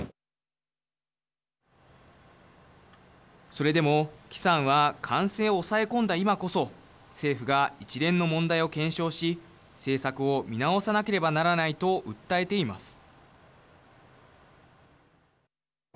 それでも季さんは感染を抑え込んだ今こそ政府が一連の問題を検証し政策を見直さなければならないと訴えています。